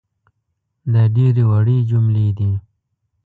دا ډېرې وړې جملې دي